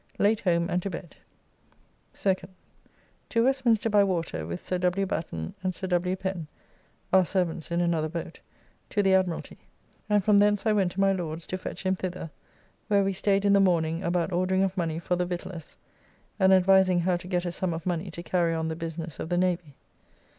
Late home and to bed. 2d. To Westminster by water with Sir W. Batten and Sir W. Pen (our servants in another boat) to the Admiralty; and from thence I went to my Lord's to fetch him thither, where we stayed in the morning about ordering of money for the victuailers, and advising how to get a sum of money to carry on the business of the Navy.